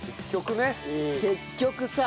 結局ね。